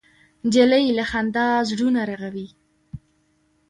نجلۍ له خندا زړونه رغوي.